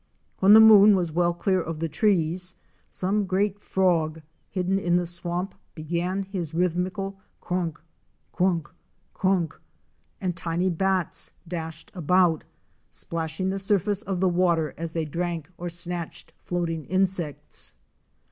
When the moon was well clear of the trees, some great frog hidden in the swamp began his rhythmical kronk! kronk! kronk! and tiny bats dashed about, splashing the surface of the water as they drank or snatched floating insects.